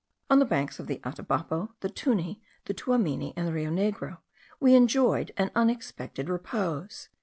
on the banks of the Atabapo, the Tuni, the Tuamini, and the Rio Negro, we enjoyed an unexpected repose.